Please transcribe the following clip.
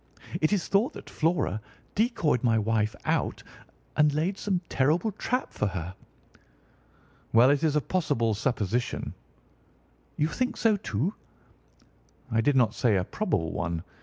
It is thought that Flora decoyed my wife out and laid some terrible trap for her." "Well, it is a possible supposition." "You think so, too?" "I did not say a probable one.